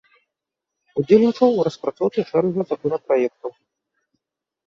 Удзельнічаў у распрацоўцы шэрага законапраектаў.